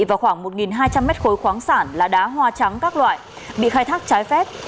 và khoảng một hai trăm linh mét khối khoáng sản là đá hoa trắng các loại bị khai thác trái phép